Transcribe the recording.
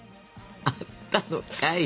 あったのかい。